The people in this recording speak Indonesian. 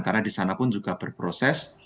karena di sana pun juga berproses